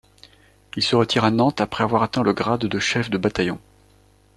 Il se retire à Nantes après avoir atteint le grade de chef de bataillon.